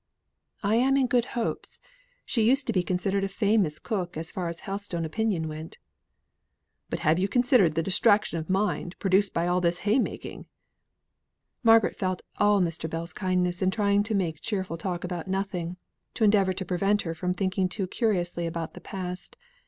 "I am in good hopes. She used to be considered a famous cook as far as Helstone opinion went." "But have you considered the distraction of mind produced by all this haymaking?" Margaret felt all Mr. Bell's kindness in trying to make cheerful talk about nothing, to endeavour to prevent her from thinking too curiously about the past.